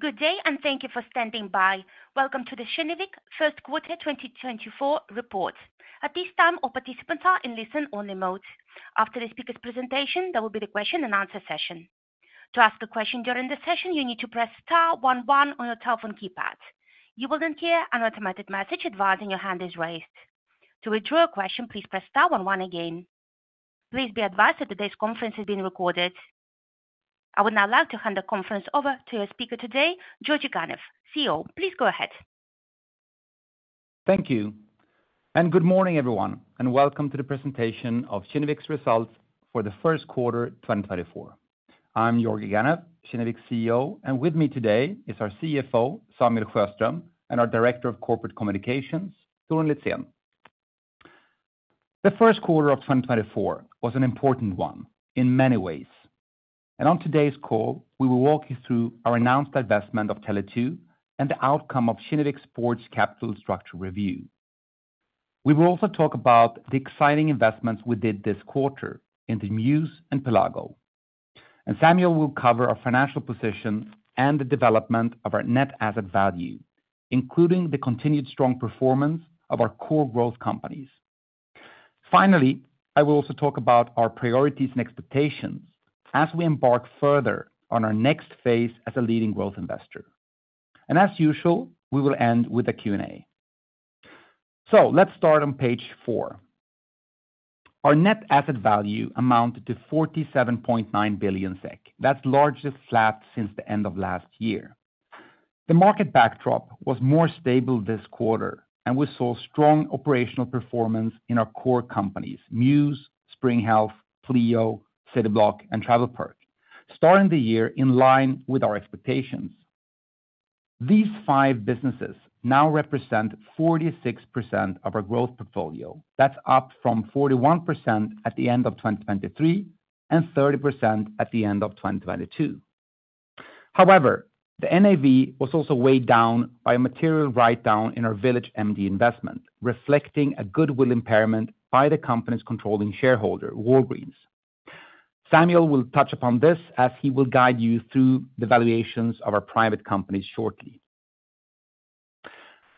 Good day and thank you for standing by. Welcome to the Kinnevik First Quarter 2024 report. At this time, all participants are in listen-only mode. After the speaker's presentation, there will be the question-and-answer session. To ask a question during the session, you need to press star 11 on your telephone keypad. You will then hear an automated message advising your hand is raised. To withdraw a question, please press star 11 again. Please be advised that today's conference is being recorded. I would now like to hand the conference over to your speaker today, Georgi Ganev, Chief Executive Officer. Please go ahead. Thank you. Good morning, everyone, and welcome to the presentation of Kinnevik's results for the first quarter 2024. I'm Georgi Ganev, Kinnevik's Chief Executive Officer, and with me today is our Chief Financial Officer, Samuel Sjöström, and our Director of Corporate Communications, Torun Litzén. The first quarter of 2024 was an important one in many ways. On today's call, we will walk you through our announced investment in Tele2 and the outcome of Kinnevik's share capital structure review. We will also talk about the exciting investments we did this quarter into Mews and Pelago. Samuel will cover our financial position and the development of our net asset value, including the continued strong performance of our core growth companies. Finally, I will also talk about our priorities and expectations as we embark further on our next phase as a leading growth investor. As usual, we will end with a Q&A. Let's start on page four. Our net asset value amounted to 47.9 billion SEK. That's largely flat since the end of last year. The market backdrop was more stable this quarter, and we saw strong operational performance in our core companies, Mews, Spring Health, Pleo, Cityblock, and TravelPerk, starting the year in line with our expectations. These five businesses now represent 46% of our growth portfolio. That's up from 41% at the end of 2023 and 30% at the end of 2022. However, the NAV was also weighed down by a material write-down in our VillageMD investment, reflecting a goodwill impairment by the company's controlling shareholder, Walgreens. Samuel will touch upon this as he will guide you through the valuations of our private companies shortly.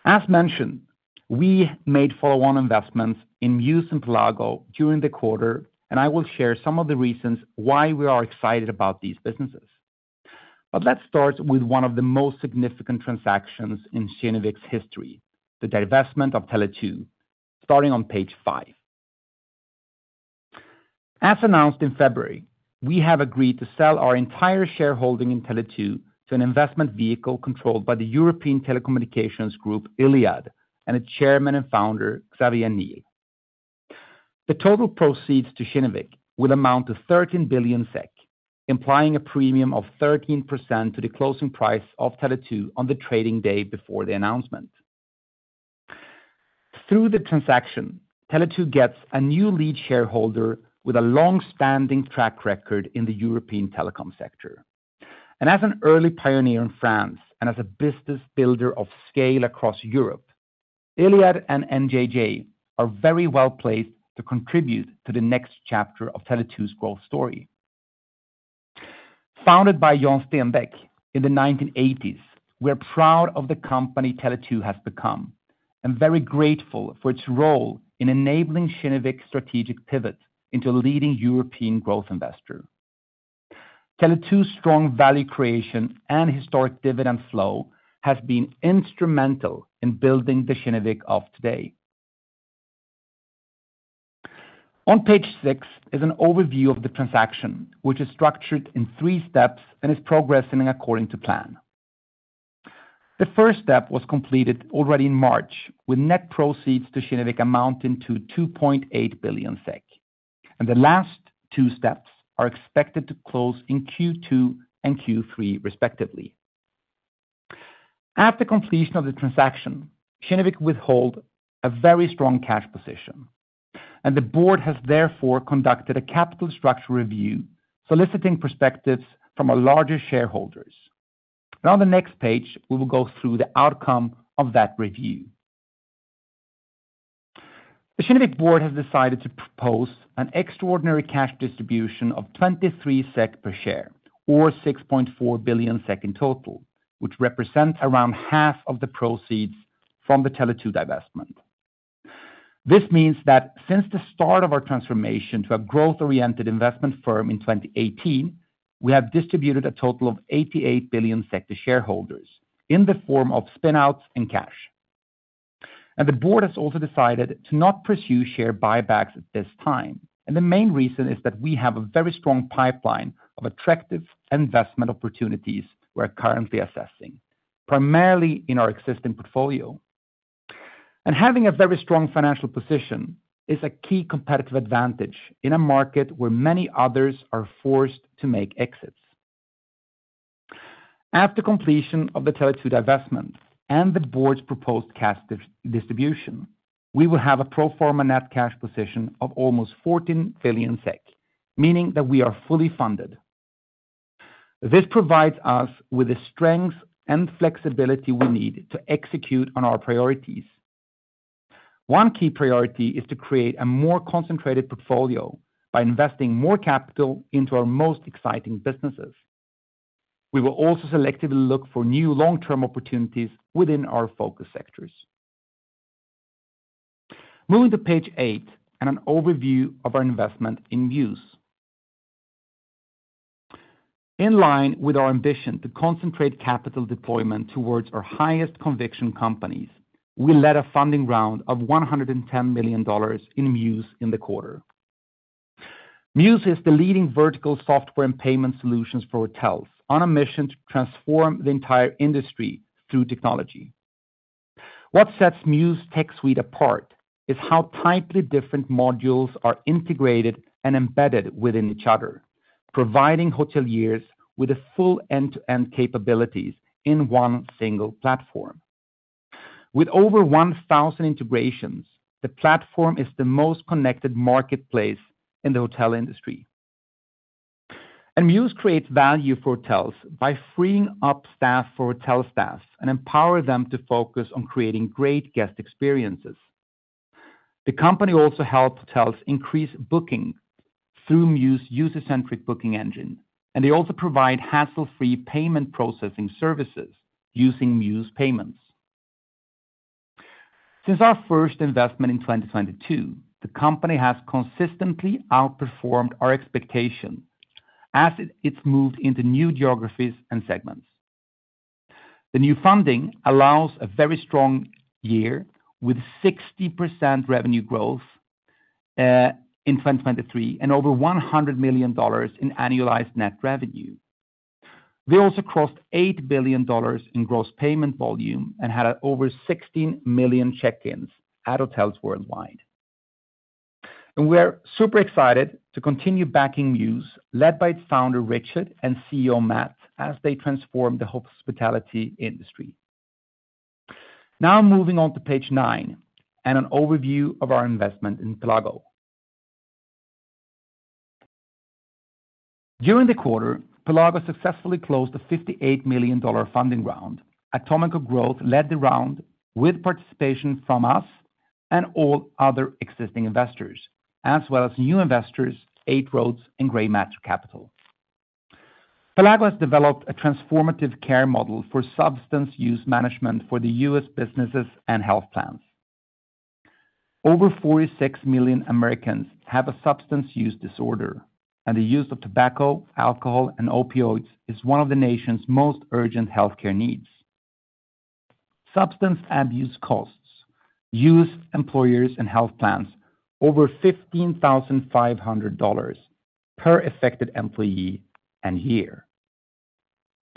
As mentioned, we made follow-on investments in Mews and Pelago during the quarter, and I will share some of the reasons why we are excited about these businesses. But let's start with one of the most significant transactions in Kinnevik's history, the divestment of Tele2, starting on page five. As announced in February, we have agreed to sell our entire shareholding in Tele2 to an investment vehicle controlled by the European Telecommunications Group, Iliad, and its Chairman and Founder, Xavier Niel. The total proceeds to Kinnevik will amount to 13 billion SEK, implying a premium of 13% to the closing price of Tele2 on the trading day before the announcement. Through the transaction, Tele2 gets a new lead shareholder with a longstanding track record in the European telecom sector. As an early pioneer in France and as a business builder of scale across Europe, Iliad and NJJ are very well placed to contribute to the next chapter of Tele2's growth story. Founded by Jan Stenbeck in the 1980s, we are proud of the company Tele2 has become and very grateful for its role in enabling Kinnevik's strategic pivot into a leading European growth investor. Tele2's strong value creation and historic dividend flow have been instrumental in building the Kinnevik of today. On page six is an overview of the transaction, which is structured in three steps and is progressing according to plan. The first step was completed already in March, with net proceeds to Kinnevik amounting to 2.8 billion SEK. The last two steps are expected to close in Q2 and Q3, respectively. After completion of the transaction, Kinnevik holds a very strong cash position, and the board has therefore conducted a capital structure review soliciting perspectives from our larger shareholders. On the next page, we will go through the outcome of that review. The Kinnevik board has decided to propose an extraordinary cash distribution of 23 SEK per share, or 6.4 billion SEK in total, which represents around half of the proceeds from the Tele2 divestment. This means that since the start of our transformation to a growth-oriented investment firm in 2018, we have distributed a total of 88 billion to shareholders in the form of spin-outs and cash. The board has also decided to not pursue share buybacks at this time. The main reason is that we have a very strong pipeline of attractive investment opportunities we are currently assessing, primarily in our existing portfolio. Having a very strong financial position is a key competitive advantage in a market where many others are forced to make exits. After completion of the Tele2 divestment and the board's proposed cash distribution, we will have a pro forma net cash position of almost 14 billion SEK, meaning that we are fully funded. This provides us with the strengths and flexibility we need to execute on our priorities. One key priority is to create a more concentrated portfolio by investing more capital into our most exciting businesses. We will also selectively look for new long-term opportunities within our focus sectors. Moving to page eight and an overview of our investment in Mews. In line with our ambition to concentrate capital deployment towards our highest conviction companies, we led a funding round of $110 million in Mews in the quarter. Mews is the leading vertical software and payment solutions for hotels on a mission to transform the entire industry through technology. What sets Mews's tech suite apart is how tightly different modules are integrated and embedded within each other, providing hoteliers with the full end-to-end capabilities in one single platform. With over 1,000 integrations, the platform is the most connected marketplace in the hotel industry. Mews creates value for hotels by freeing up staff for hotel staff and empowering them to focus on creating great guest experiences. The company also helps hotels increase bookings through Mews's user-centric booking engine, and they also provide hassle-free payment processing services using Mews Payments. Since our first investment in 2022, the company has consistently outperformed our expectations as it's moved into new geographies and segments. The new funding allows a very strong year with 60% revenue growth in 2023 and over $100 million in annualized net revenue. They also crossed $8 billion in gross payment volume and had over 16 million check-ins at hotels worldwide. We are super excited to continue backing Mews, led by its founder, Richard, and Chief Executive Officer, Matt, as they transform the hospitality industry. Now moving on to page nine and an overview of our investment in Pelago. During the quarter, Pelago successfully closed a $58 million funding round. Atomico growth led the round with participation from us and all other existing investors, as well as new investors, Eight Roads, and GreyMatter. Pelago has developed a transformative care model for substance use management for the U.S. businesses and health plans. Over 46 million Americans have a substance use disorder, and the use of tobacco, alcohol, and opioids is one of the nation's most urgent healthcare needs. Substance abuse costs U.S. employers and health plans over $15,500 per affected employee and year.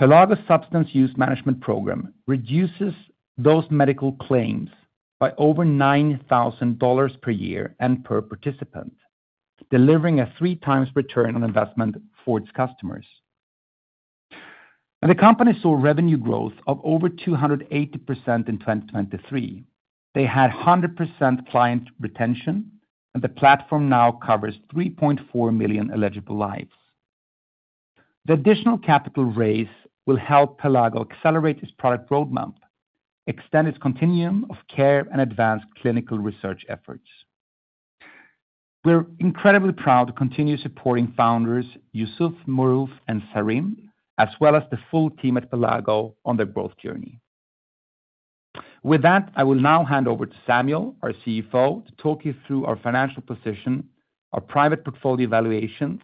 Pelago's substance use management program reduces those medical claims by over $9,000 per year and per participant, delivering a 3x return on investment for its customers. The company saw revenue growth of over 280% in 2023. They had 100% client retention, and the platform now covers 3.4 million eligible lives. The additional capital raise will help Pelago accelerate its product roadmap, extend its continuum of care, and advance clinical research efforts. We're incredibly proud to continue supporting founders Yusuf, Maroof, and Sarim, as well as the full team at Pelago on their growth journey. With that, I will now hand over to Samuel, our Chief Financial Officer, to talk you through our financial position, our private portfolio valuation,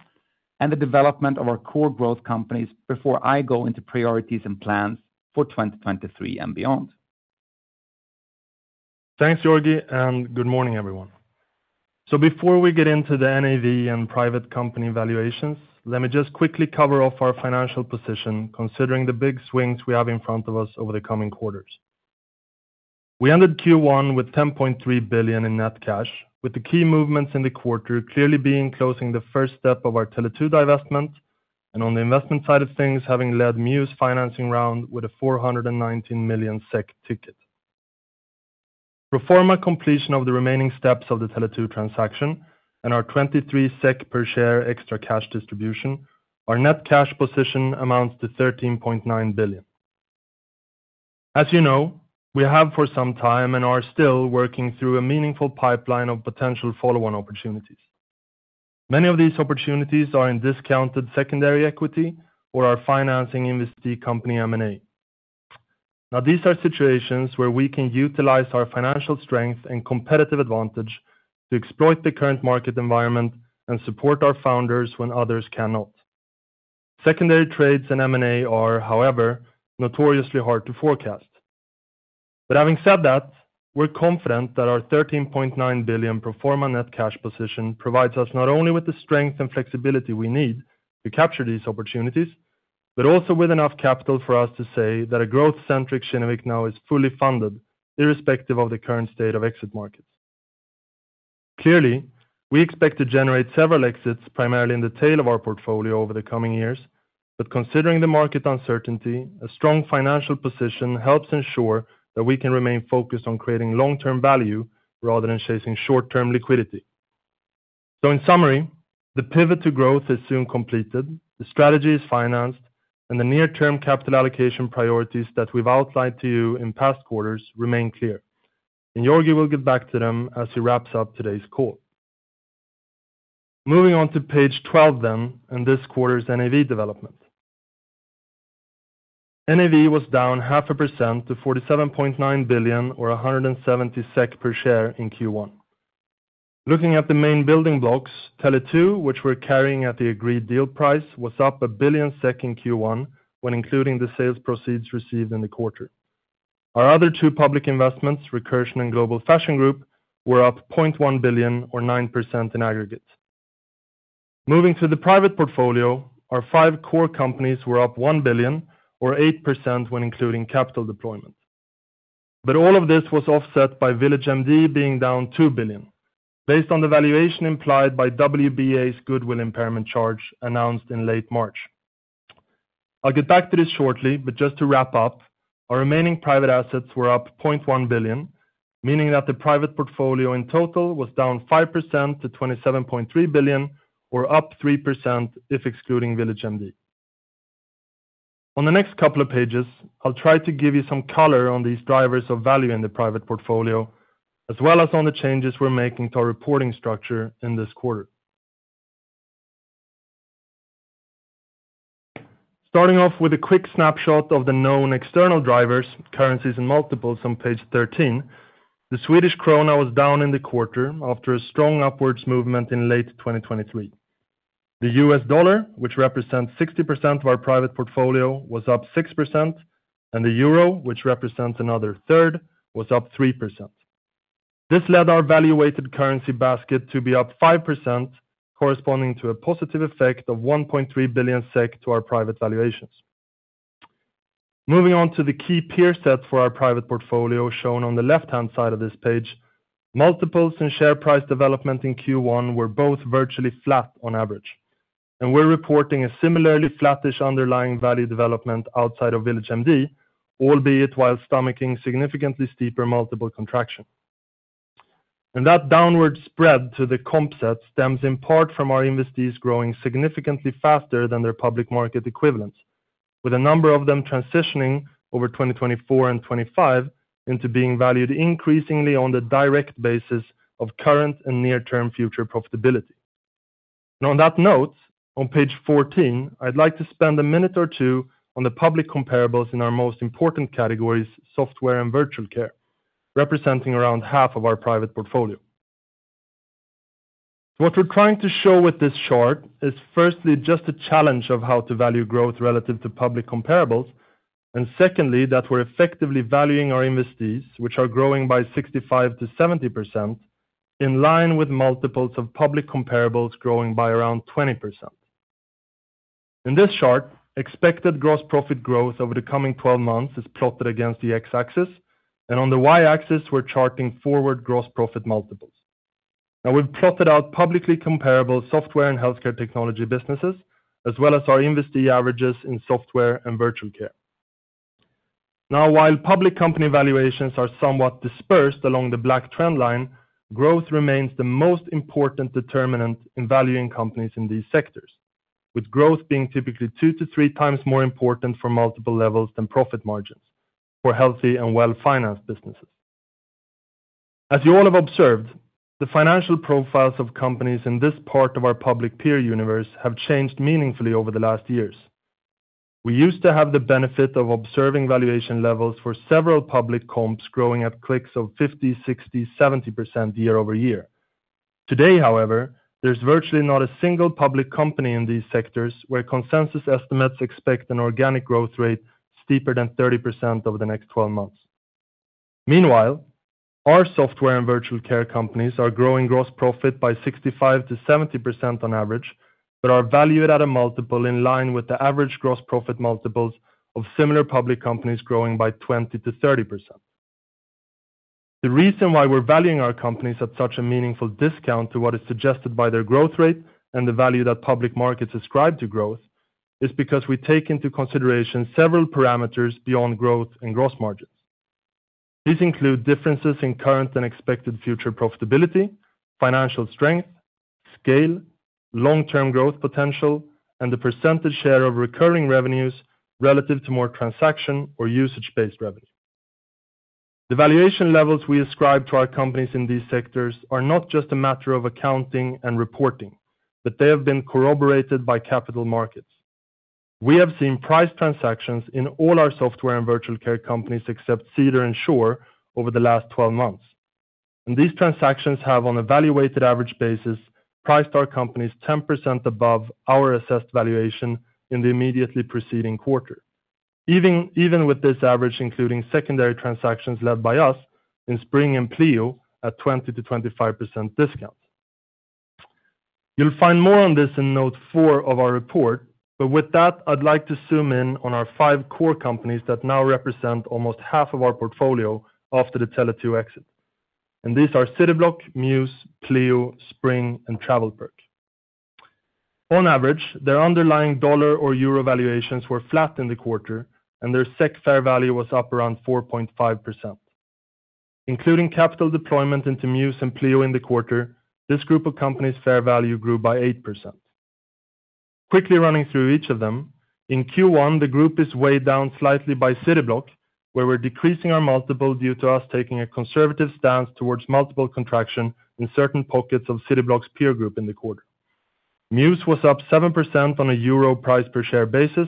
and the development of our core growth companies before I go into priorities and plans for 2023 and beyond. Thanks, Georgi, and good morning, everyone. So before we get into the NAV and private company valuations, let me just quickly cover off our financial position considering the big swings we have in front of us over the coming quarters. We ended Q1 with 10.3 billion in net cash, with the key movements in the quarter clearly being closing the first step of our Tele2 divestment and, on the investment side of things, having led Mews' financing round with a 419 million SEK ticket. Pro forma completion of the remaining steps of the Tele2 transaction and our 23 SEK per share extra cash distribution, our net cash position amounts to 13.9 billion. As you know, we have for some time and are still working through a meaningful pipeline of potential follow-on opportunities. Many of these opportunities are in discounted secondary equity or our financing investee company M&A. Now, these are situations where we can utilize our financial strength and competitive advantage to exploit the current market environment and support our founders when others cannot. Secondary trades and M&A are, however, notoriously hard to forecast. But having said that, we're confident that our 13.9 billion pro forma net cash position provides us not only with the strength and flexibility we need to capture these opportunities, but also with enough capital for us to say that a growth-centric Kinnevik now is fully funded, irrespective of the current state of exit markets. Clearly, we expect to generate several exits, primarily in the tail of our portfolio over the coming years, but considering the market uncertainty, a strong financial position helps ensure that we can remain focused on creating long-term value rather than chasing short-term liquidity. In summary, the pivot to growth is soon completed, the strategy is financed, and the near-term capital allocation priorities that we've outlined to you in past quarters remain clear. Georgi will get back to them as he wraps up today's call. Moving on to page 12 then and this quarter's NAV development. NAV was down 0.5% to 47.9 billion, or 170 SEK per share, in Q1. Looking at the main building blocks, Tele2, which we're carrying at the agreed deal price, was up 1 billion SEK in Q1 when including the sales proceeds received in the quarter. Our other two public investments, Recursion and Global Fashion Group, were up 0.1 billion, or 9% in aggregate. Moving to the private portfolio, our five core companies were up 1 billion, or 8% when including capital deployment. But all of this was offset by VillageMD being down 2 billion, based on the valuation implied by WBA's goodwill impairment charge announced in late March. I'll get back to this shortly, but just to wrap up, our remaining private assets were up 0.1 billion, meaning that the private portfolio in total was down 5% to 27.3 billion, or up 3% if excluding VillageMD. On the next couple of pages, I'll try to give you some color on these drivers of value in the private portfolio, as well as on the changes we're making to our reporting structure in this quarter. Starting off with a quick snapshot of the known external drivers, currencies and multiples on page 13, the Swedish krona was down in the quarter after a strong upwards movement in late 2023. The US dollar, which represents 60% of our private portfolio, was up 6%, and the euro, which represents another third, was up 3%. This led our valuated currency basket to be up 5%, corresponding to a positive effect of 1.3 billion SEK to our private valuations. Moving on to the key peer sets for our private portfolio shown on the left-hand side of this page, multiples and share price development in Q1 were both virtually flat on average, and we're reporting a similarly flattish underlying value development outside of VillageMD, albeit while stomaching significantly steeper multiple contraction. That downward spread to the comp sets stems in part from our investees growing significantly faster than their public market equivalents, with a number of them transitioning over 2024 and 2025 into being valued increasingly on the direct basis of current and near-term future profitability. Now, on that note, on page 14, I'd like to spend a minute or two on the public comparables in our most important categories, software and virtual care, representing around half of our private portfolio. What we're trying to show with this chart is, firstly, just a challenge of how to value growth relative to public comparables, and secondly, that we're effectively valuing our investees, which are growing by 65%-70%, in line with multiples of public comparables growing by around 20%. In this chart, expected gross profit growth over the coming 12 months is plotted against the X-axis, and on the Y-axis, we're charting forward gross profit multiples. Now, we've plotted out publicly comparable software and healthcare technology businesses, as well as our investee averages in software and virtual care. Now, while public company valuations are somewhat dispersed along the black trend line, growth remains the most important determinant in valuing companies in these sectors, with growth being typically 2-3 times more important for multiple levels than profit margins for healthy and well-financed businesses. As you all have observed, the financial profiles of companies in this part of our public peer universe have changed meaningfully over the last years. We used to have the benefit of observing valuation levels for several public comps growing at clicks of 50%, 60%, 70% year-over-year. Today, however, there's virtually not a single public company in these sectors where consensus estimates expect an organic growth rate steeper than 30% over the next 12 months. Meanwhile, our software and virtual care companies are growing gross profit by 65%-70% on average, but are valued at a multiple in line with the average gross profit multiples of similar public companies growing by 20%-30%. The reason why we're valuing our companies at such a meaningful discount to what is suggested by their growth rate and the value that public markets ascribe to growth is because we take into consideration several parameters beyond growth and gross margins. These include differences in current and expected future profitability, financial strength, scale, long-term growth potential, and the percentage share of recurring revenues relative to more transaction or usage-based revenue. The valuation levels we ascribe to our companies in these sectors are not just a matter of accounting and reporting, but they have been corroborated by capital markets. We have seen priced transactions in all our software and virtual care companies except Cedar and Sure over the last 12 months, and these transactions have, on a valuated average basis, priced our companies 10% above our assessed valuation in the immediately preceding quarter, even with this average including secondary transactions led by us in Spring and Pleo at 20%-25% discounts. You'll find more on this in note four of our report, but with that, I'd like to zoom in on our five core companies that now represent almost half of our portfolio after the Tele2 exit, and these are Cityblock, Mews, Pleo, Spring, and TravelPerk. On average, their underlying dollar or euro valuations were flat in the quarter, and their SEK fair value was up around 4.5%. Including capital deployment into Mews and Pleo in the quarter, this group of companies' fair value grew by 8%. Quickly running through each of them, in Q1, the group is weighed down slightly by Cityblock, where we're decreasing our multiple due to us taking a conservative stance towards multiple contraction in certain pockets of Cityblock's peer group in the quarter. Mews was up 7% on a euro price-per-share basis,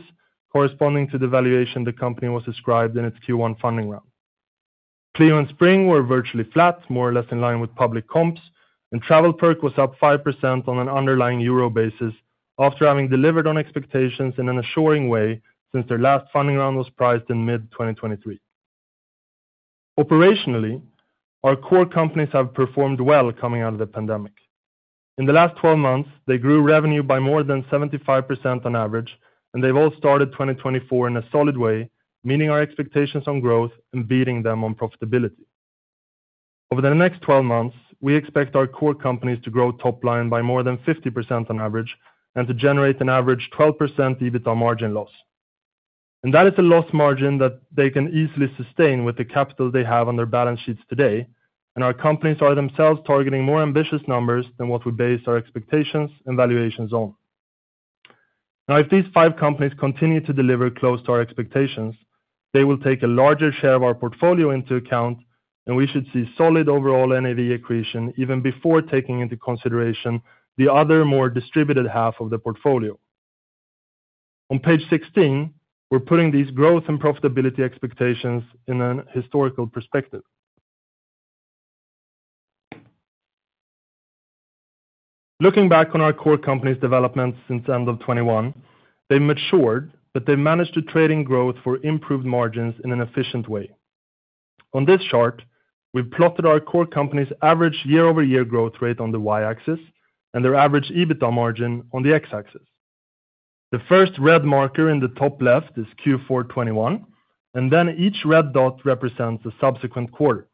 corresponding to the valuation the company was ascribed in its Q1 funding round. Pleo and Spring were virtually flat, more or less in line with public comps, and TravelPerk was up 5% on an underlying euro basis after having delivered on expectations in an assuring way since their last funding round was priced in mid-2023. Operationally, our core companies have performed well coming out of the pandemic. In the last 12 months, they grew revenue by more than 75% on average, and they've all started 2024 in a solid way, meeting our expectations on growth and beating them on profitability. Over the next 12 months, we expect our core companies to grow top-line by more than 50% on average and to generate an average 12% EBITDA margin loss. That is a loss margin that they can easily sustain with the capital they have on their balance sheets today, and our companies are themselves targeting more ambitious numbers than what we base our expectations and valuations on. Now, if these five companies continue to deliver close to our expectations, they will take a larger share of our portfolio into account, and we should see solid overall NAV accretion even before taking into consideration the other, more distributed half of the portfolio. On page 16, we're putting these growth and profitability expectations in a historical perspective. Looking back on our core companies' development since end of 2021, they've matured, but they've managed to trade in growth for improved margins in an efficient way. On this chart, we've plotted our core companies' average year-over-year growth rate on the Y-axis and their average EBITDA margin on the X-axis. The first red marker in the top left is Q4 2021, and then each red dot represents the subsequent quarter.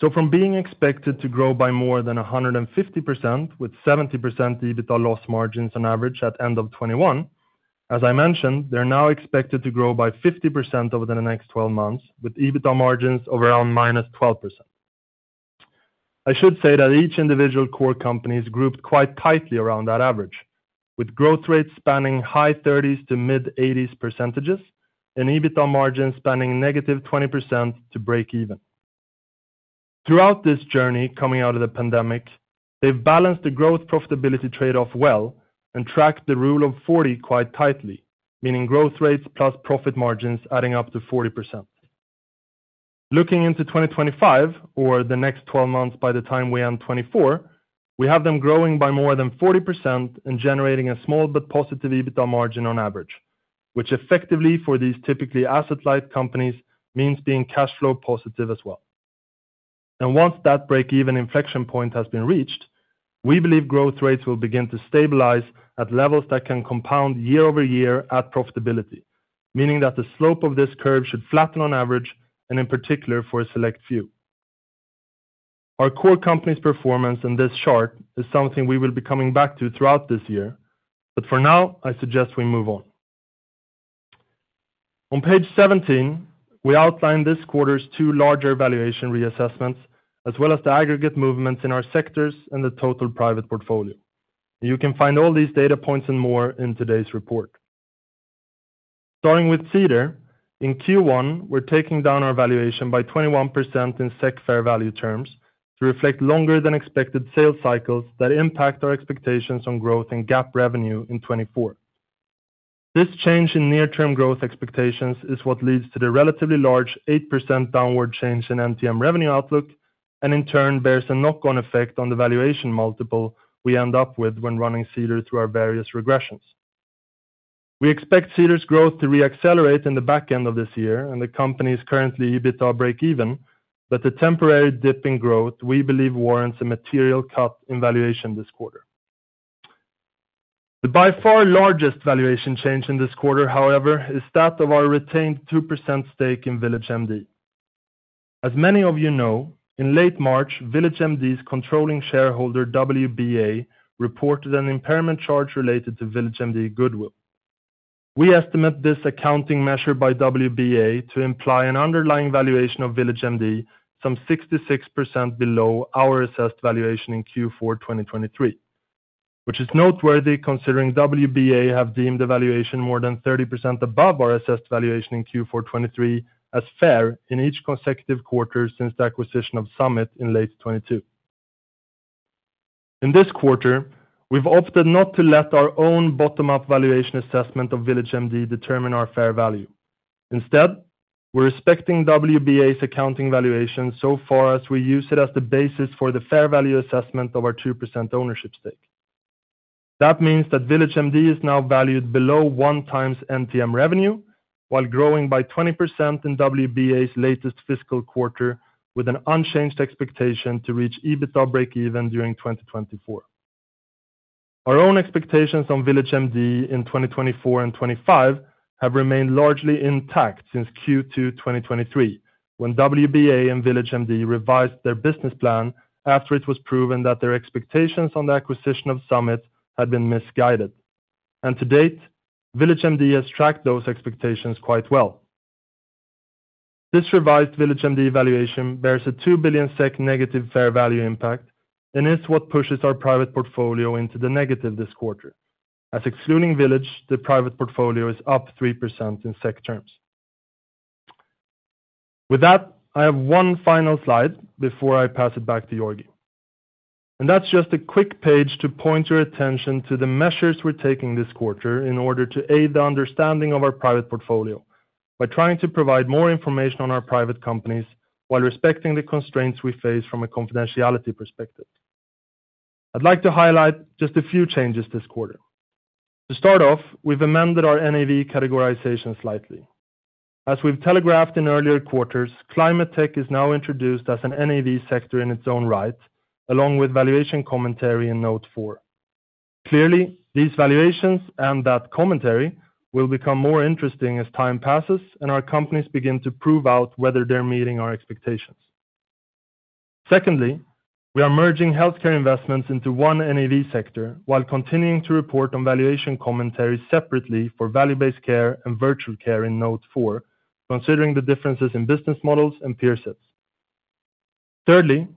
So from being expected to grow by more than 150% with 70% EBITDA loss margins on average at end of 2021, as I mentioned, they're now expected to grow by 50% over the next 12 months with EBITDA margins of around -12%. I should say that each individual core company is grouped quite tightly around that average, with growth rates spanning high 30s% to mid 80s% and EBITDA margins spanning -20% to break even. Throughout this journey coming out of the pandemic, they've balanced the growth profitability trade-off well and tracked the Rule of 40 quite tightly, meaning growth rates plus profit margins adding up to 40%. Looking into 2025, or the next 12 months by the time we end 2024, we have them growing by more than 40% and generating a small but positive EBITDA margin on average, which effectively, for these typically asset-light companies, means being cash flow positive as well. And once that break-even inflection point has been reached, we believe growth rates will begin to stabilize at levels that can compound year-over-year at profitability, meaning that the slope of this curve should flatten on average and in particular for a select few. Our core companies' performance in this chart is something we will be coming back to throughout this year, but for now, I suggest we move on. On page 17, we outline this quarter's two larger valuation reassessments as well as the aggregate movements in our sectors and the total private portfolio, and you can find all these data points and more in today's report. Starting with Cedar, in Q1, we're taking down our valuation by 21% in SEC fair value terms to reflect longer-than-expected sales cycles that impact our expectations on growth and GAAP revenue in 2024. This change in near-term growth expectations is what leads to the relatively large 8% downward change in NTM revenue outlook and, in turn, bears a knock-on effect on the valuation multiple we end up with when running Cedar through our various regressions. We expect Cedar's growth to reaccelerate in the back end of this year and the company's currently EBITDA break even, but the temporary dip in growth we believe warrants a material cut in valuation this quarter. The by far largest valuation change in this quarter, however, is that of our retained 2% stake in VillageMD. As many of you know, in late March, VillageMD's controlling shareholder WBA reported an impairment charge related to VillageMD goodwill. We estimate this accounting measure by WBA to imply an underlying valuation of VillageMD some 66% below our assessed valuation in Q4 2023, which is noteworthy considering WBA have deemed a valuation more than 30% above our assessed valuation in Q4 2023 as fair in each consecutive quarter since the acquisition of Summit in late 2022. In this quarter, we've opted not to let our own bottom-up valuation assessment of VillageMD determine our fair value. Instead, we're respecting WBA's accounting valuation so far as we use it as the basis for the fair value assessment of our 2% ownership stake. That means that VillageMD is now valued below 1x NTM revenue while growing by 20% in WBA's latest fiscal quarter with an unchanged expectation to reach EBITDA break even during 2024. Our own expectations on VillageMD in 2024 and 2025 have remained largely intact since Q2 2023 when WBA and VillageMD revised their business plan after it was proven that their expectations on the acquisition of Summit had been misguided, and to date, VillageMD has tracked those expectations quite well. This revised VillageMD valuation bears a 2 billion SEK negative fair value impact, and it's what pushes our private portfolio into the negative this quarter, as excluding Village, the private portfolio is up 3% in SEK terms. With that, I have one final slide before I pass it back to Georgi, and that's just a quick page to point your attention to the measures we're taking this quarter in order to aid the understanding of our private portfolio by trying to provide more information on our private companies while respecting the constraints we face from a confidentiality perspective. I'd like to highlight just a few changes this quarter. To start off, we've amended our NAV categorization slightly. As we've telegraphed in earlier quarters, climate tech is now introduced as an NAV sector in its own right, along with valuation commentary in note four. Clearly, these valuations and that commentary will become more interesting as time passes and our companies begin to prove out whether they're meeting our expectations. Secondly, we are merging healthcare investments into one NAV sector while continuing to report on valuation commentary separately for value-based care and virtual care in note four, considering the differences in business models and peer sets. Thirdly,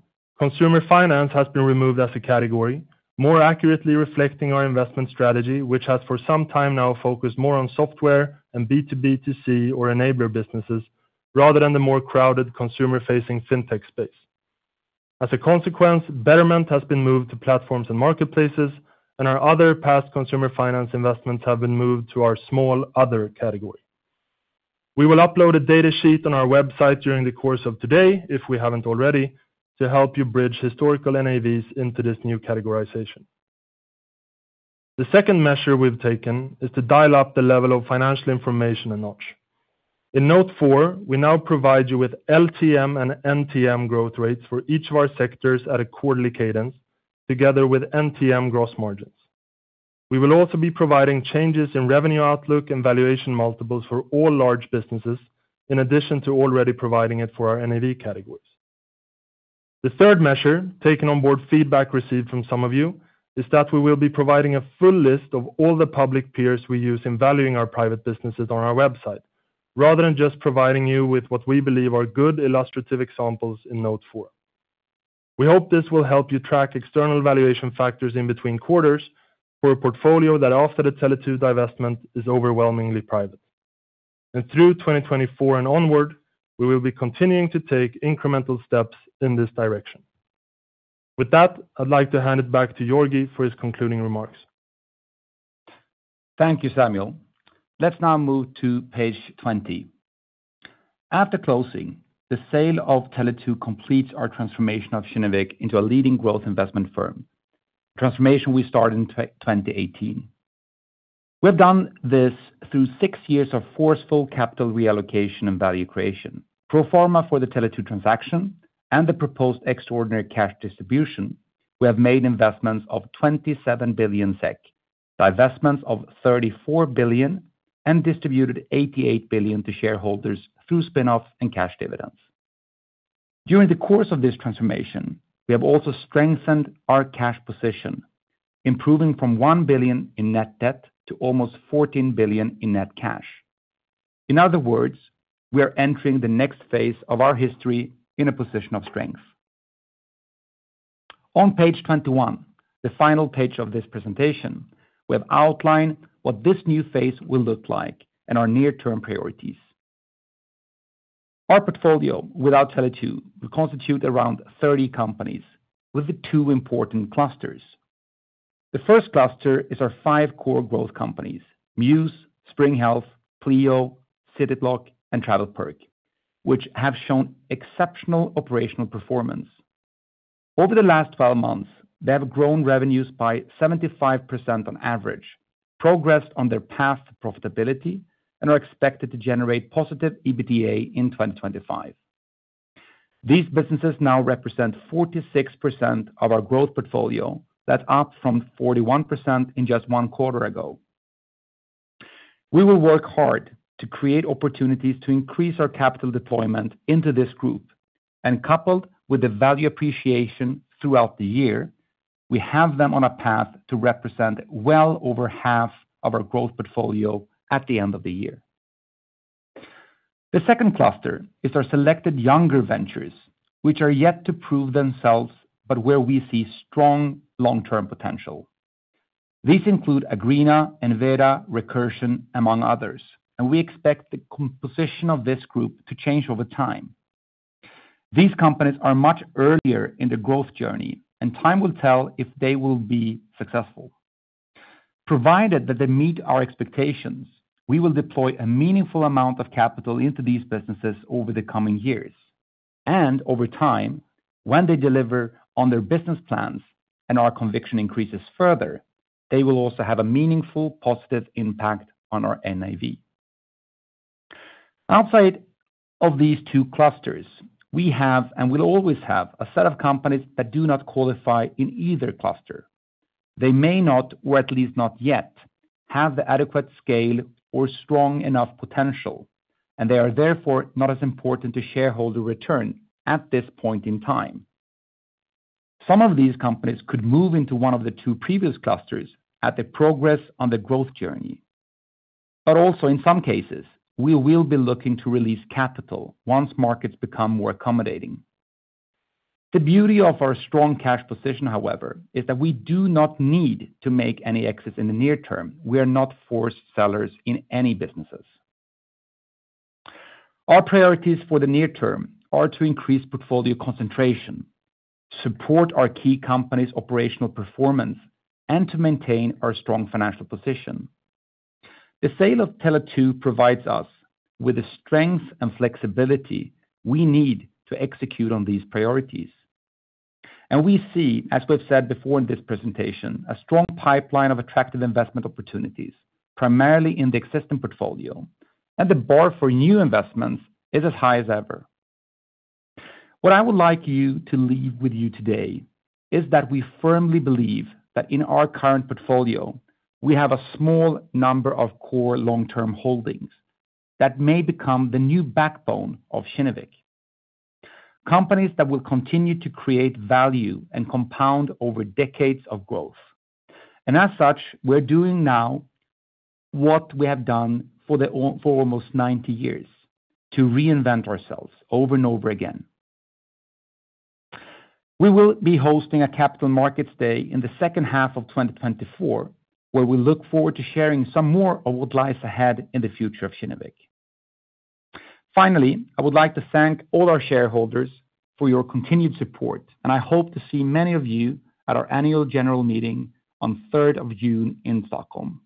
consumer finance has been removed as a category, more accurately reflecting our investment strategy, which has for some time now focused more on software and B2B2C or enabler businesses rather than the more crowded, consumer-facing fintech space. As a consequence, Betterment has been moved to platforms and marketplaces, and our other past consumer finance investments have been moved to our small "other" category. We will upload a data sheet on our website during the course of today, if we haven't already, to help you bridge historical NAVs into this new categorization. The second measure we've taken is to dial up the level of financial information a notch. In note four, we now provide you with LTM and NTM growth rates for each of our sectors at a quarterly cadence, together with NTM gross margins. We will also be providing changes in revenue outlook and valuation multiples for all large businesses, in addition to already providing it for our NAV categories. The third measure, taken on board feedback received from some of you, is that we will be providing a full list of all the public peers we use in valuing our private businesses on our website, rather than just providing you with what we believe are good illustrative examples in note four. We hope this will help you track external valuation factors in between quarters for a portfolio that, after the Tele2 divestment, is overwhelmingly private. Through 2024 and onward, we will be continuing to take incremental steps in this direction. With that, I'd like to hand it back to Georgi for his concluding remarks. Thank you, Samuel. Let's now move to page 20. After closing, the sale of Tele2 completes our transformation of Kinnevik into a leading growth investment firm, a transformation we started in 2018. We have done this through six years of forceful capital reallocation and value creation. Pro forma for the Tele2 transaction and the proposed extraordinary cash distribution, we have made investments of 27 billion SEK, divestments of 34 billion, and distributed 88 billion to shareholders through spinoff and cash dividends. During the course of this transformation, we have also strengthened our cash position, improving from 1 billion in net debt to almost 14 billion in net cash. In other words, we are entering the next phase of our history in a position of strength. On page 21, the final page of this presentation, we have outlined what this new phase will look like and our near-term priorities. Our portfolio, without Tele2, will constitute around 30 companies with two important clusters. The first cluster is our five core growth companies: Mews, Spring Health, Pleo, Cityblock, and TravelPerk, which have shown exceptional operational performance. Over the last 12 months, they have grown revenues by 75% on average, progressed on their path to profitability, and are expected to generate positive EBITDA in 2025. These businesses now represent 46% of our growth portfolio, that's up from 41% in just one quarter ago. We will work hard to create opportunities to increase our capital deployment into this group, and coupled with the value appreciation throughout the year, we have them on a path to represent well over half of our growth portfolio at the end of the year. The second cluster is our selected younger ventures, which are yet to prove themselves but where we see strong long-term potential. These include Agreena, Enveda, Recursion, among others, and we expect the composition of this group to change over time. These companies are much earlier in their growth journey, and time will tell if they will be successful. Provided that they meet our expectations, we will deploy a meaningful amount of capital into these businesses over the coming years, and over time, when they deliver on their business plans and our conviction increases further, they will also have a meaningful positive impact on our NAV. Outside of these two clusters, we have and will always have a set of companies that do not qualify in either cluster. They may not, or at least not yet, have the adequate scale or strong enough potential, and they are therefore not as important to shareholder return at this point in time. Some of these companies could move into one of the two previous clusters as they progress on their growth journey, but also, in some cases, we will be looking to release capital once markets become more accommodating. The beauty of our strong cash position, however, is that we do not need to make any exits in the near term. We are not forced sellers in any businesses. Our priorities for the near term are to increase portfolio concentration, support our key companies' operational performance, and to maintain our strong financial position. The sale of Tele2 provides us with the strength and flexibility we need to execute on these priorities, and we see, as we've said before in this presentation, a strong pipeline of attractive investment opportunities, primarily in the existing portfolio, and the bar for new investments is as high as ever. What I would like you to leave with you today is that we firmly believe that in our current portfolio, we have a small number of core long-term holdings that may become the new backbone of Kinnevik. Companies that will continue to create value and compound over decades of growth, and as such, we're doing now what we have done for almost 90 years to reinvent ourselves over and over again. We will be hosting a Capital Markets Day in the second half of 2024, where we look forward to sharing some more of what lies ahead in the future of Kinnevik. Finally, I would like to thank all our shareholders for your continued support, and I hope to see many of you at our annual general meeting on 3 June in Stockholm.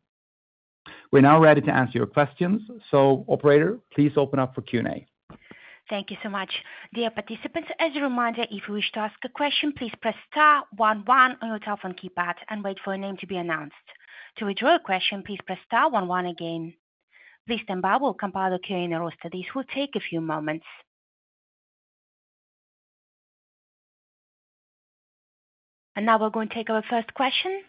We're now ready to answer your questions, so operator, please open up for Q&A. Thank you so much. Dear participants, as a reminder, if you wish to ask a question, please press *11 on your telephone keypad and wait for your name to be announced. To withdraw a question, please press *11 again. Liz Tempbow will compile the Q&A roster. This will take a few moments. And now we're going to take our first question,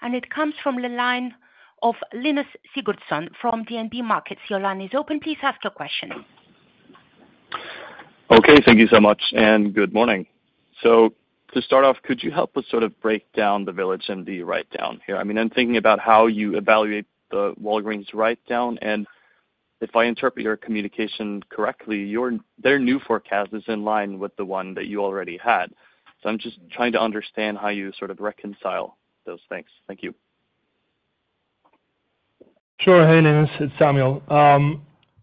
and it comes from the line of Linus Sigurdson from DNB Markets. Your line is open. Please ask your question. Okay. Thank you so much, and good morning. So to start off, could you help us sort of break down the VillageMD write-down here? I mean, I'm thinking about how you evaluate the Walgreens write-down, and if I interpret your communication correctly, their new forecast is in line with the one that you already had. So I'm just trying to understand how you sort of reconcile those things. Thank you. Sure. Hey, Linus. It's Samuel.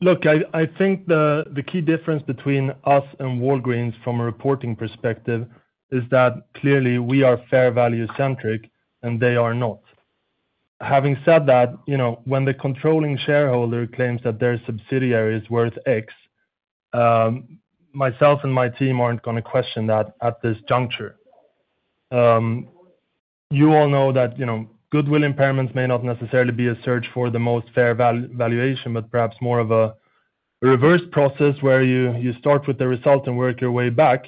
Look, I think the key difference between us and Walgreens, from a reporting perspective, is that clearly we are fair value-centric, and they are not. Having said that, when the controlling shareholder claims that their subsidiary is worth X, myself and my team aren't going to question that at this juncture. You all know that goodwill impairments may not necessarily be a search for the most fair valuation, but perhaps more of a reverse process where you start with the result and work your way back.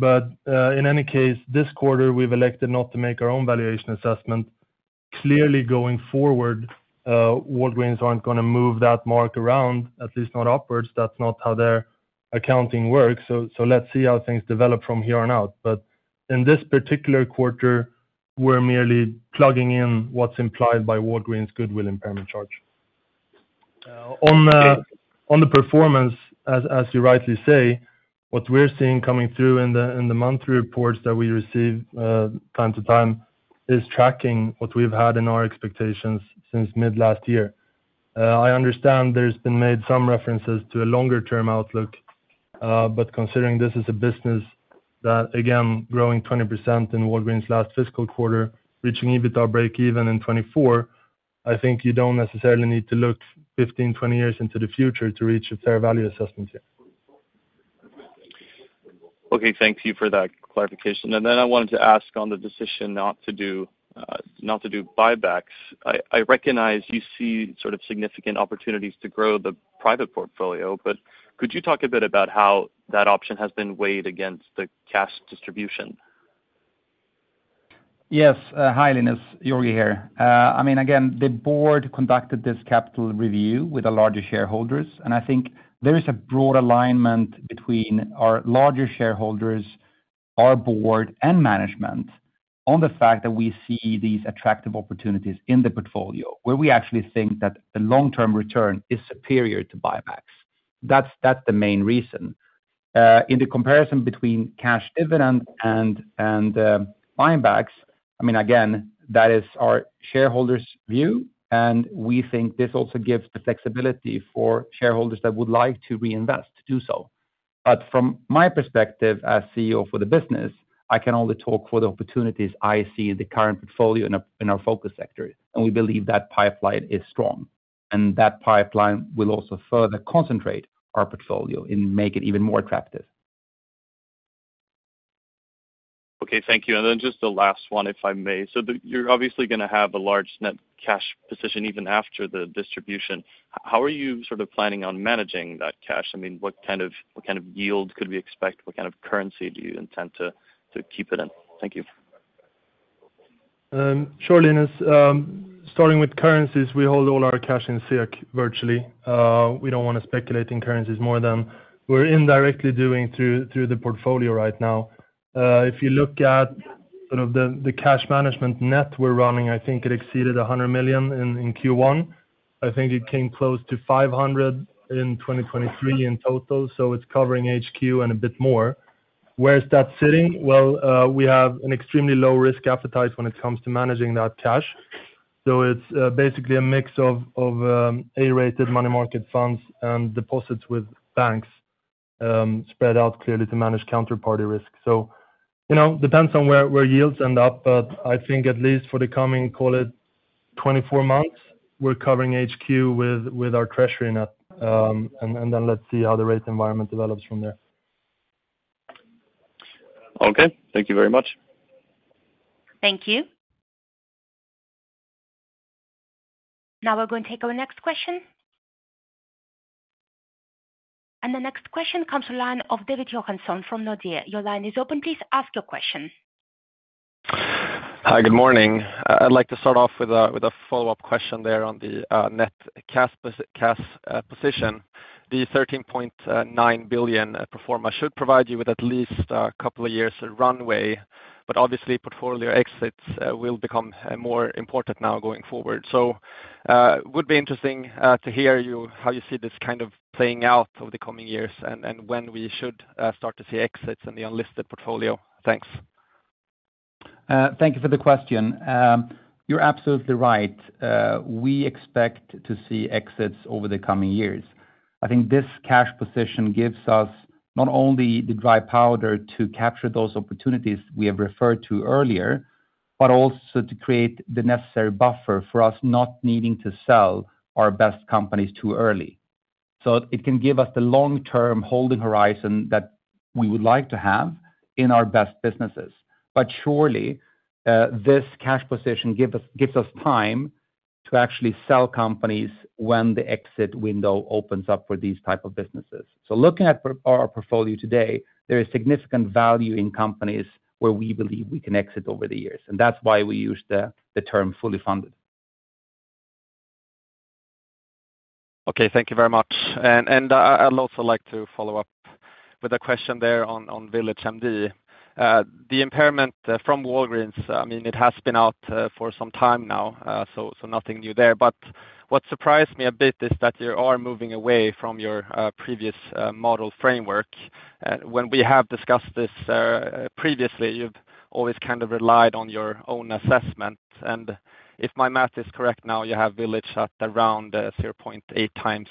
In any case, this quarter, we've elected not to make our own valuation assessment. Clearly, going forward, Walgreens aren't going to move that mark around, at least not upwards. That's not how their accounting works. Let's see how things develop from here on out. In this particular quarter, we're merely plugging in what's implied by Walgreens' goodwill impairment charge. On the performance, as you rightly say, what we're seeing coming through in the monthly reports that we receive from time to time is tracking what we've had in our expectations since mid-last year. I understand there's been made some references to a longer-term outlook, but considering this is a business that, again, growing 20% in Walgreens' last fiscal quarter, reaching EBITDA break-even in 2024, I think you don't necessarily need to look 15, 20 years into the future to reach a fair value assessment here. Okay. Thank you for that clarification. And then I wanted to ask on the decision not to do buybacks. I recognize you see sort of significant opportunities to grow the private portfolio, but could you talk a bit about how that option has been weighed against the cash distribution? Yes. Hi, Linus. Georgi here. I mean, again, the board conducted this capital review with the larger shareholders, and I think there is a broad alignment between our larger shareholders, our board, and management on the fact that we see these attractive opportunities in the portfolio, where we actually think that the long-term return is superior to buybacks. That's the main reason. In the comparison between cash dividend and buybacks, I mean, again, that is our shareholders' view, and we think this also gives the flexibility for shareholders that would like to reinvest to do so. But from my perspective as CEO for the business, I can only talk for the opportunities I see in the current portfolio in our focus sector, and we believe that pipeline is strong, and that pipeline will also further concentrate our portfolio and make it even more attractive. Okay. Thank you. And then just the last one, if I may. So you're obviously going to have a large net cash position even after the distribution. How are you sort of planning on managing that cash? I mean, what kind of yield could we expect? What kind of currency do you intend to keep it in? Thank you. Sure, Linus. Starting with currencies, we hold all our cash in SEK virtually. We don't want to speculate in currencies more than we're indirectly doing through the portfolio right now. If you look at sort of the cash management net we're running, I think it exceeded 100 million in Q1. I think it came close to 500 million in 2023 in total, so it's covering HQ and a bit more. Where's that sitting? Well, we have an extremely low-risk appetite when it comes to managing that cash. So it's basically a mix of A-rated money market funds and deposits with banks spread out clearly to manage counterparty risk. So it depends on where yields end up, but I think at least for the coming, call it, 24 months, we're covering HQ with our treasury net, and then let's see how the rate environment develops from there. Okay. Thank you very much. Thank you. Now we're going to take our next question. The next question comes from David Johansson of Nordea. Your line is open. Please ask your question. Hi. Good morning. I'd like to start off with a follow-up question there on the net cash position. The 13.9 billion pro forma should provide you with at least a couple of years of runway, but obviously, portfolio exits will become more important now going forward. So it would be interesting to hear how you see this kind of playing out over the coming years and when we should start to see exits in the unlisted portfolio. Thanks. Thank you for the question. You're absolutely right. We expect to see exits over the coming years. I think this cash position gives us not only the dry powder to capture those opportunities we have referred to earlier, but also to create the necessary buffer for us not needing to sell our best companies too early. So it can give us the long-term holding horizon that we would like to have in our best businesses. But surely, this cash position gives us time to actually sell companies when the exit window opens up for these types of businesses. So looking at our portfolio today, there is significant value in companies where we believe we can exit over the years, and that's why we use the term fully funded. Okay. Thank you very much. And I'd also like to follow up with a question there on VillageMD. The impairment from Walgreens, I mean, it has been out for some time now, so nothing new there. But what surprised me a bit is that you are moving away from your previous model framework. When we have discussed this previously, you've always kind of relied on your own assessment. And if my math is correct now, you have VillageMD at around 0.8x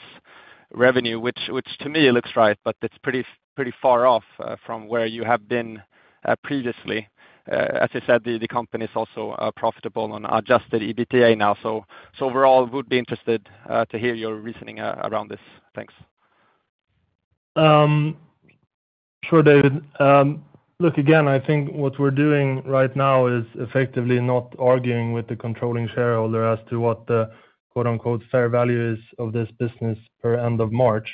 revenue, which to me looks right, but it's pretty far off from where you have been previously. As you said, the company is also profitable on adjusted EBITDA now. So overall, I would be interested to hear your reasoning around this. Thanks. Sure, David. Look, again, I think what we're doing right now is effectively not arguing with the controlling shareholder as to what the "fair value" is of this business per end of March.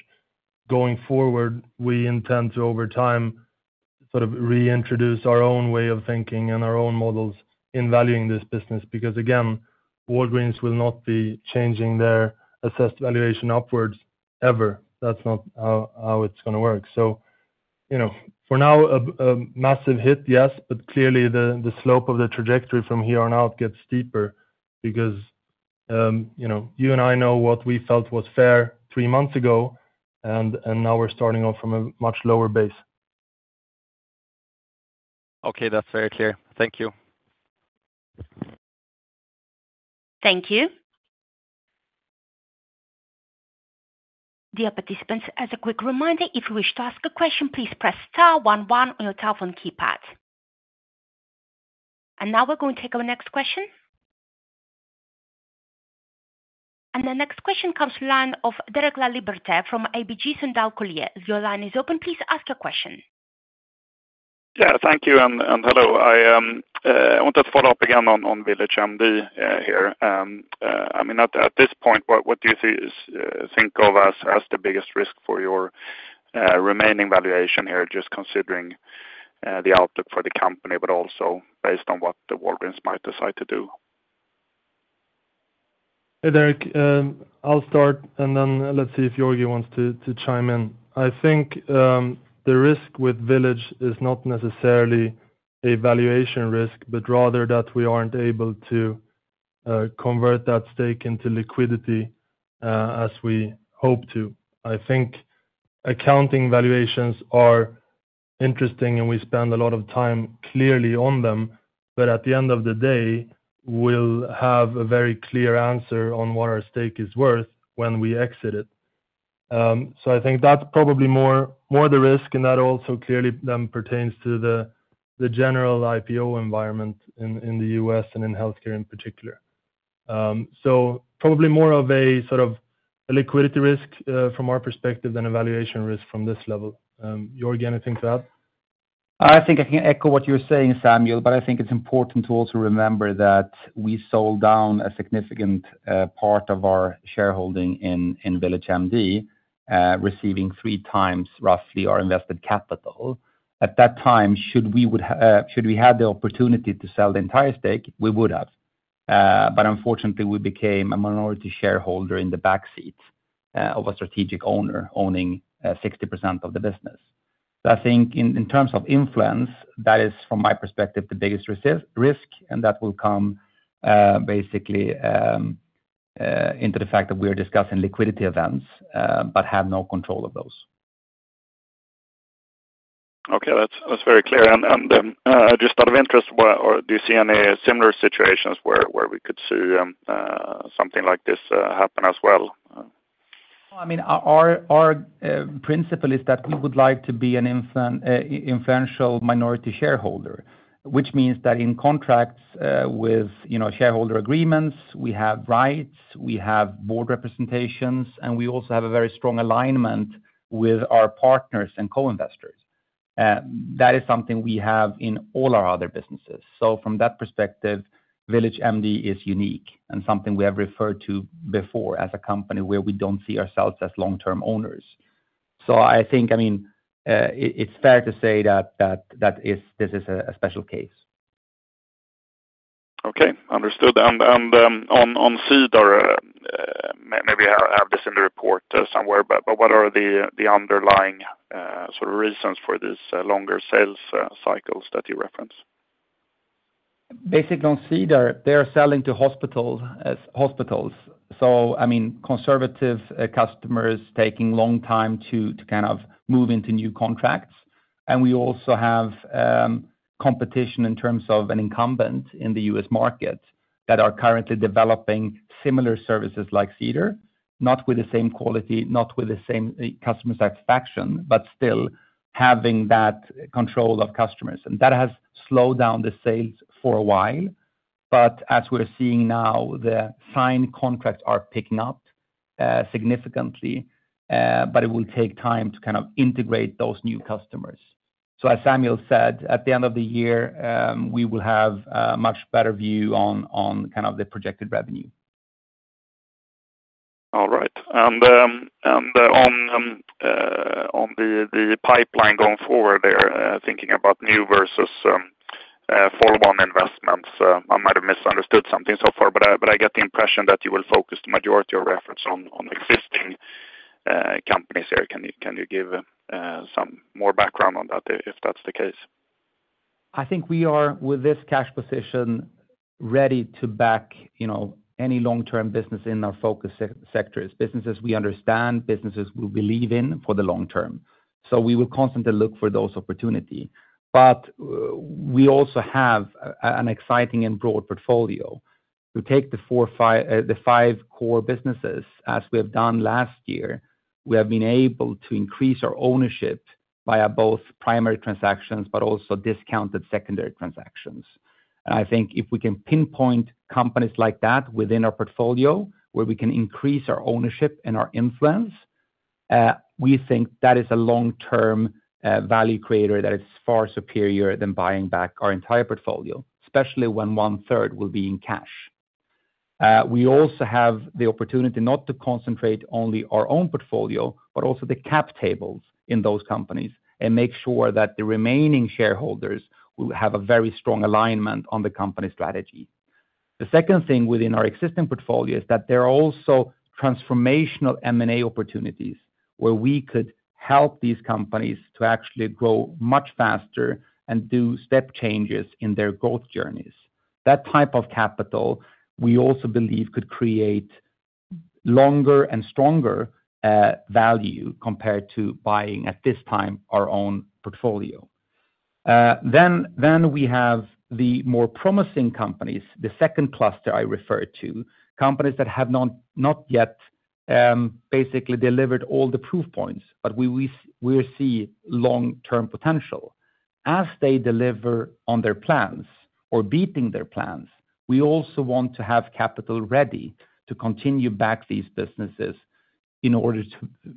Going forward, we intend to, over time, sort of reintroduce our own way of thinking and our own models in valuing this business because, again, Walgreens will not be changing their assessed valuation upwards ever. That's not how it's going to work. So for now, a massive hit, yes, but clearly, the slope of the trajectory from here on out gets steeper because you and I know what we felt was fair three months ago, and now we're starting off from a much lower base. Okay. That's very clear. Thank you. Thank you. Dear participants, as a quick reminder, if you wish to ask a question, please press *11 on your telephone keypad. Now we're going to take our next question. The next question comes from Derek Laliberté from ABG Sundal Collier. Your line is open. Please ask your question. Yeah. Thank you and hello. I wanted to follow up again on VillageMD here. I mean, at this point, what do you think of as the biggest risk for your remaining valuation here, just considering the outlook for the company, but also based on what the Walgreens might decide to do? Hey, Derek. I'll start, and then let's see if Georgi wants to chime in. I think the risk with VillageMD is not necessarily a valuation risk, but rather that we aren't able to convert that stake into liquidity as we hope to. I think accounting valuations are interesting, and we spend a lot of time clearly on them, but at the end of the day, we'll have a very clear answer on what our stake is worth when we exit it. So I think that's probably more the risk, and that also clearly then pertains to the general IPO environment in the U.S. and in healthcare in particular. So probably more of a sort of liquidity risk from our perspective than a valuation risk from this level. Georgi, anything to add? I think I can echo what you're saying, Samuel, but I think it's important to also remember that we sold down a significant part of our shareholding in VillageMD, receiving three times roughly our invested capital. At that time, should we have the opportunity to sell the entire stake, we would have. But unfortunately, we became a minority shareholder in the backseat of a strategic owner owning 60% of the business. So I think in terms of influence, that is, from my perspective, the biggest risk, and that will come basically into the fact that we are discussing liquidity events but have no control of those. Okay. That's very clear. And just out of interest, do you see any similar situations where we could see something like this happen as well? I mean, our principle is that we would like to be an influential minority shareholder, which means that in contracts with shareholder agreements, we have rights, we have board representations, and we also have a very strong alignment with our partners and co-investors. That is something we have in all our other businesses. So from that perspective, VillageMD is unique and something we have referred to before as a company where we don't see ourselves as long-term owners. So I think, I mean, it's fair to say that this is a special case. Okay. Understood. And on Cedar, maybe I have this in the report somewhere, but what are the underlying sort of reasons for these longer sales cycles that you reference? Basically, on Cedar, they are selling to hospitals. So, I mean, conservative customers taking long time to kind of move into new contracts. And we also have competition in terms of an incumbent in the U.S. market that are currently developing similar services like Cedar, not with the same quality, not with the same customer satisfaction, but still having that control of customers. And that has slowed down the sales for a while. But as we're seeing now, the signed contracts are picking up significantly, but it will take time to kind of integrate those new customers. So as Samuel said, at the end of the year, we will have a much better view on kind of the projected revenue. All right. And on the pipeline going forward there, thinking about new versus follow-on investments, I might have misunderstood something so far, but I get the impression that you will focus the majority of resources on existing companies here. Can you give some more background on that if that's the case? I think we are, with this cash position, ready to back any long-term business in our focus sectors, businesses we understand, businesses we believe in for the long term. So we will constantly look for those opportunities. But we also have an exciting and broad portfolio. To take the five core businesses, as we have done last year, we have been able to increase our ownership via both primary transactions but also discounted secondary transactions. And I think if we can pinpoint companies like that within our portfolio where we can increase our ownership and our influence, we think that is a long-term value creator that is far superior than buying back our entire portfolio, especially when one-third will be in cash. We also have the opportunity not to concentrate only our own portfolio but also the cap tables in those companies and make sure that the remaining shareholders will have a very strong alignment on the company strategy. The second thing within our existing portfolio is that there are also transformational M&A opportunities where we could help these companies to actually grow much faster and do step changes in their growth journeys. That type of capital, we also believe, could create longer and stronger value compared to buying, at this time, our own portfolio. Then we have the more promising companies, the second cluster I referred to, companies that have not yet basically delivered all the proof points, but we see long-term potential. As they deliver on their plans or beating their plans, we also want to have capital ready to continue back these businesses in order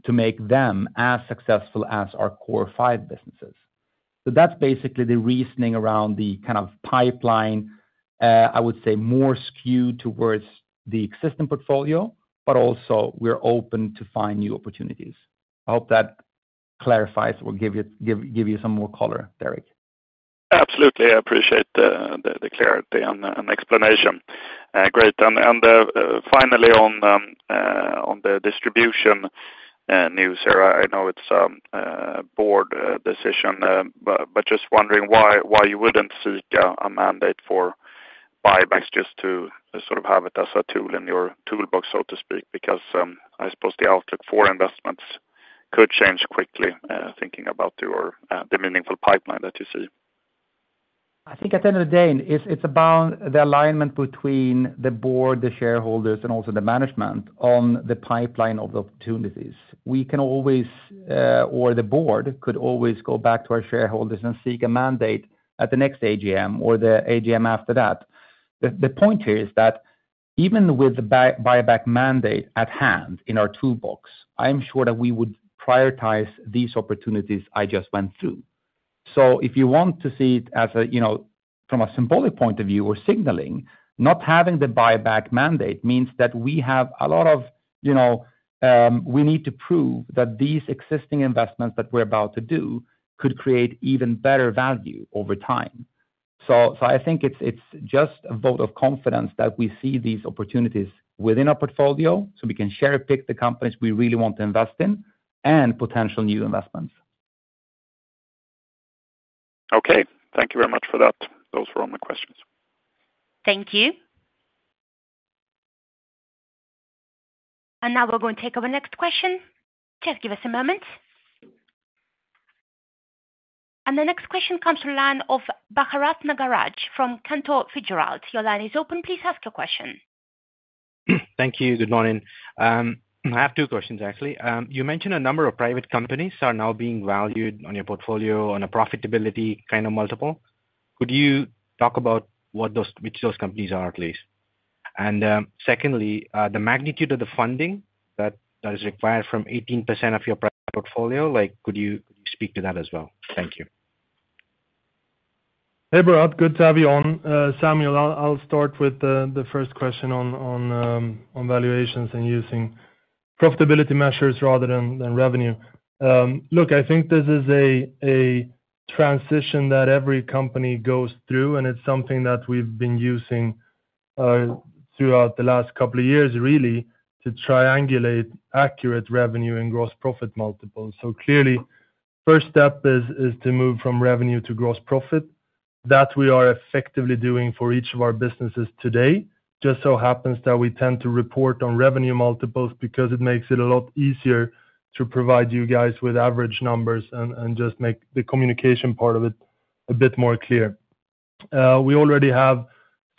to make them as successful as our core five businesses. So that's basically the reasoning around the kind of pipeline, I would say, more skewed towards the existing portfolio, but also we're open to find new opportunities. I hope that clarifies or gives you some more color, Derek. Absolutely. I appreciate the clarity and explanation. Great. And finally, on the distribution news here, I know it's a board decision, but just wondering why you wouldn't seek a mandate for buybacks just to sort of have it as a tool in your toolbox, so to speak, because I suppose the outlook for investments could change quickly thinking about the meaningful pipeline that you see. I think at the end of the day, it's about the alignment between the board, the shareholders, and also the management on the pipeline of the opportunities. We can always, or the board could always, go back to our shareholders and seek a mandate at the next AGM or the AGM after that. The point here is that even with the buyback mandate at hand in our toolbox, I am sure that we would prioritize these opportunities I just went through. So if you want to see it from a symbolic point of view or signaling, not having the buyback mandate means that we have a lot of we need to prove that these existing investments that we're about to do could create even better value over time. So I think it's just a vote of confidence that we see these opportunities within our portfolio so we can cherry-pick the companies we really want to invest in and potential new investments. Okay. Thank you very much for that. Those were all my questions. Thank you. And now we're going to take our next question. Just give us a moment. And the next question comes from Bharath Nagaraj from Cantor Fitzgerald. Your line is open. Please ask your question. Thank you. Good morning. I have two questions, actually. You mentioned a number of private companies are now being valued on your portfolio on a profitability kind of multiple. Could you talk about which those companies are, please? And secondly, the magnitude of the funding that is required from 18% of your private portfolio, could you speak to that as well? Thank you. Hey, Bharath. Good to have you on. Samuel, I'll start with the first question on valuations and using profitability measures rather than revenue. Look, I think this is a transition that every company goes through, and it's something that we've been using throughout the last couple of years, really, to triangulate accurate revenue and gross profit multiples. So clearly, first step is to move from revenue to gross profit. That we are effectively doing for each of our businesses today. It just so happens that we tend to report on revenue multiples because it makes it a lot easier to provide you guys with average numbers and just make the communication part of it a bit more clear. We already have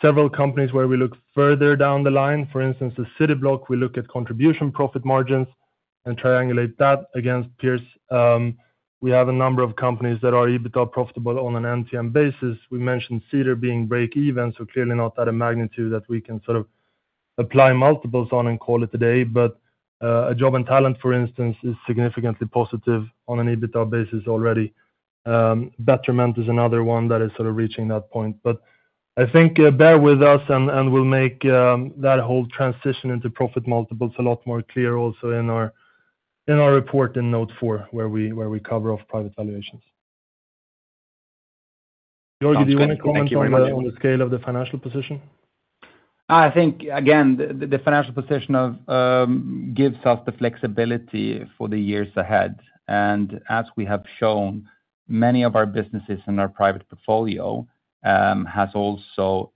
several companies where we look further down the line. For instance, at Cityblock, we look at contribution profit margins and triangulate that against peers. We have a number of companies that are EBITDA profitable on an NTM basis. We mentioned Cedar being break-even, so clearly not at a magnitude that we can sort of apply multiples on and call it a day, but Jobandtalent, for instance, is significantly positive on an EBITDA basis already. Betterment is another one that is sort of reaching that point. But I think bear with us, and we'll make that whole transition into profit multiples a lot more clear also in our report in Note 4 where we cover off private valuations. Georgi, do you want to comment on the scale of the financial position? I think, again, the financial position gives us the flexibility for the years ahead. As we have shown, many of our businesses in our private portfolio have also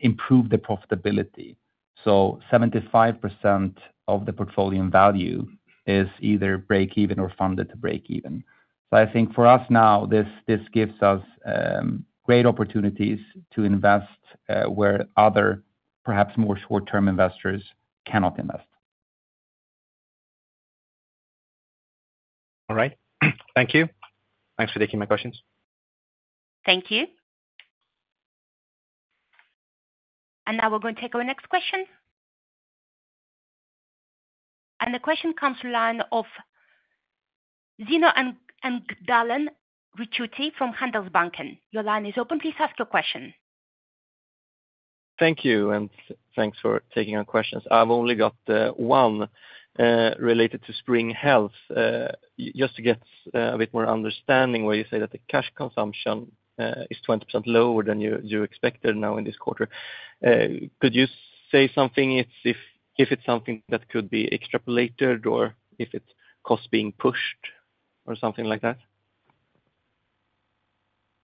improved the profitability. So 75% of the portfolio in value is either break-even or funded to break-even. I think for us now, this gives us great opportunities to invest where other, perhaps more short-term investors cannot invest. All right. Thank you. Thanks for taking my questions. Thank you. Now we're going to take our next question. The question comes online from Zino Engdalen Ricciuti from Handelsbanken. Your line is open. Please ask your question. Thank you. And thanks for taking on questions. I've only got one related to Spring Health. Just to get a bit more understanding where you say that the cash consumption is 20% lower than you expected now in this quarter, could you say something if it's something that could be extrapolated or if it's cost being pushed or something like that?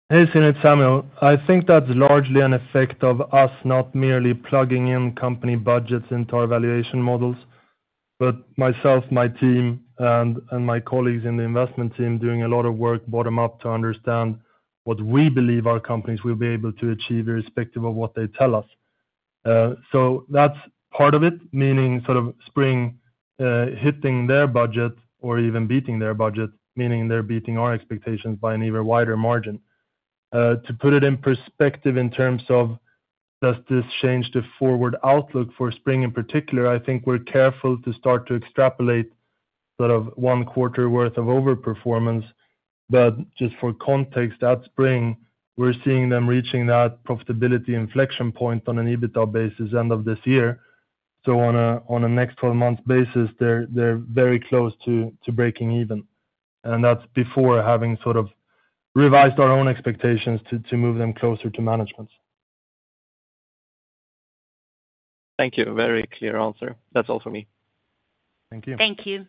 Hey, Zino. It's Samuel. I think that's largely an effect of us not merely plugging in company budgets into our valuation models. But myself, my team, and my colleagues in the investment team doing a lot of work bottom-up to understand what we believe our companies will be able to achieve irrespective of what they tell us. So that's part of it, meaning sort of Spring hitting their budget or even beating their budget, meaning they're beating our expectations by an even wider margin. To put it in perspective in terms of does this change the forward outlook for Spring in particular, I think we're careful to start to extrapolate sort of one quarter worth of overperformance. But just for context, at Spring, we're seeing them reaching that profitability inflection point on an EBITDA basis end of this year. So on a next 12-month basis, they're very close to breaking even. And that's before having sort of revised our own expectations to move them closer to management. Thank you. Very clear answer. That's all for me. Thank you. Thank you.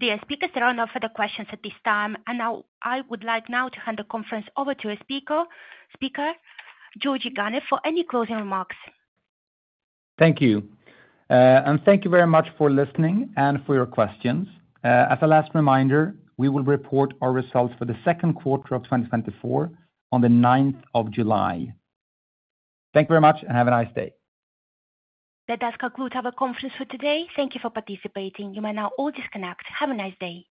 The speakers are no longer offering questions at this time. And now I would like now to hand the conference over to speaker Georgi Ganev for any closing remarks. Thank you. And thank you very much for listening and for your questions. As a last reminder, we will report our results for the second quarter of 2024 on the 9th of July. Thank you very much and have a nice day. That does conclude our conference for today. Thank you for participating. You may now all disconnect. Have a nice day.